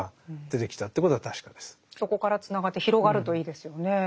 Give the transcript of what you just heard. そこからつながって広がるといいですよねえ。